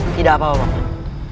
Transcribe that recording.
tidak apa apa pak